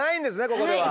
ここでは。